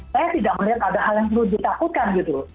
saya tidak melihat ada hal yang perlu ditakutkan gitu